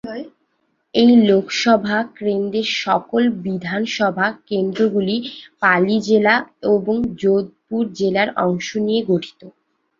এই লোকসভা কেন্দ্রের সকল বিধানসভা কেন্দ্রগুলি পালি জেলা এবং যোধপুর জেলার অংশ নিয়ে গঠিত।